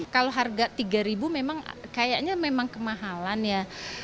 kalau harga rp tiga memang kayaknya memang kemahalan ya